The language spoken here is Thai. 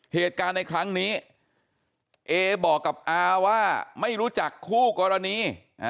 เหตุการณ์ในครั้งนี้เอบอกกับอาว่าไม่รู้จักคู่กรณี